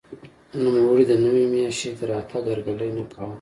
نوموړي د نوې ماشیۍ د راتګ هرکلی نه کاوه.